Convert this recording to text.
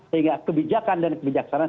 sehingga kebijakan dan kebijaksanaan